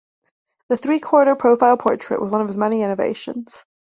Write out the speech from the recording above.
The three-quarter profile portrait was one of his many innovations.